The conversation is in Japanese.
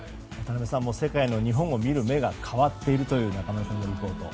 世界の、日本を見る目が変わってきているという中丸さんのリポートでした。